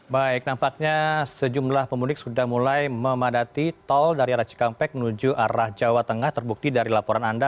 baik nampaknya sejumlah pemudik sudah mulai memadati tol dari arah cikampek menuju arah jawa tengah terbukti dari laporan anda